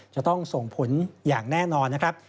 จะต้องส่งผลอย่างแน่นอนนะครับ